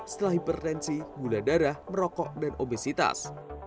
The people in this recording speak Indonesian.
setelah hipertensi gula darah merokok dan obesitas